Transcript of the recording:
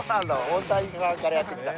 大谷さんからやってきた。